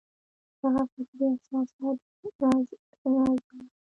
دغه فکري اساسات رازېږي.